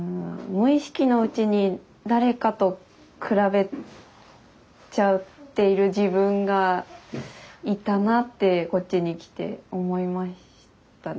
無意識のうちに誰かと比べちゃっている自分がいたなってこっちに来て思いましたね。